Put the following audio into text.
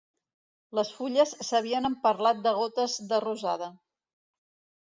Les fulles s'havien emperlat de gotes de rosada.